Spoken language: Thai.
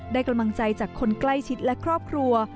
กำลังใจจากคนใกล้ชิดและครอบครัว